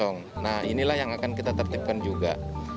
nah inilah yang akan kita tertipkan juga